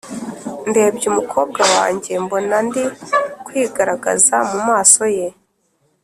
ndebye umukobwa wanjye mbona ndi kwigaragaza mumaso ye.